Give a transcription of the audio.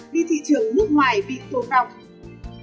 vì thị trường nước ngoài bị tổn đọc